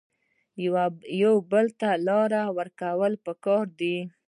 یو بل ته لار ورکول پکار دي